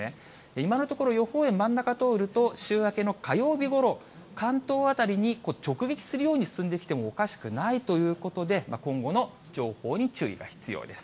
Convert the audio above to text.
今のところ、予報円、真ん中通ると、週明けの火曜日ごろ、関東辺りに直撃するように進んできてもおかしくないということで、今後の情報に注意が必要です。